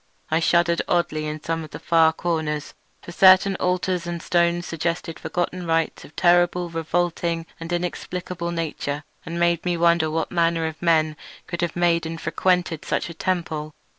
I shuddered oddly in some of the far corners; for certain altars and stones suggested forgotten rites of terrible, revolting, and inexplicable nature, and made me wonder what manner of men could have made and frequented such a temple.